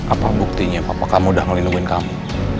apa buktinya papa kamu udah ngelindungi kamu